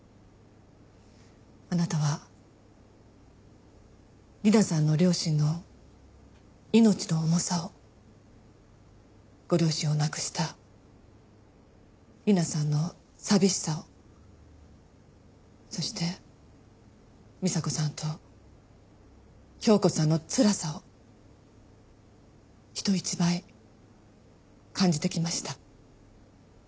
あなたは理奈さんの両親の命の重さをご両親を亡くした理奈さんの寂しさをそして美紗子さんと京子さんのつらさを人一倍感じてきました。